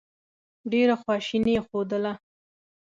ډېره خواشیني یې ښودله.